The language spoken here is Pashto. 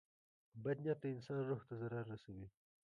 • بد نیت د انسان روح ته ضرر رسوي.